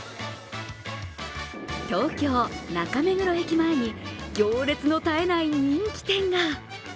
東京・中目黒駅前に行列の絶えない人気店が。